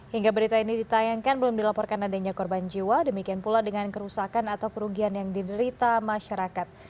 hingga berita ini ditayangkan belum dilaporkan adanya korban jiwa demikian pula dengan kerusakan atau kerugian yang diderita masyarakat